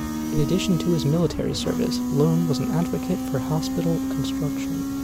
In addition to his military service, Loan was an advocate for hospital construction.